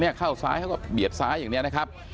เข้าซ้ายเขาก็เบียดซ้ายอย่างนี้นะครับ